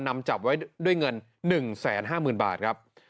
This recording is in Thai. นำจับไว้ด้วยเงิน๑๕๐๐๐บาทครับ